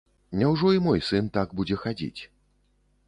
Няўжо і мой сын так будзе хадзіць?